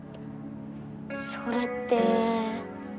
それって。